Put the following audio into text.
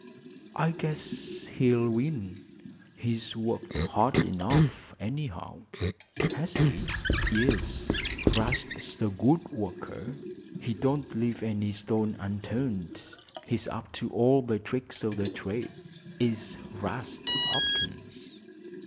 "I guess he'll win. He's worked hard enough, anyhow." "Has he?" "Yes; 'Rast's a good worker. He don't leave any stone unturned. He's up to all the tricks o' the trade, is 'Rast Hopkins!"